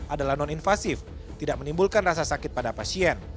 adalah non invasif tidak menimbulkan rasa sakit pada pasien